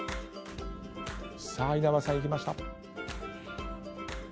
さあ稲葉さんいきました。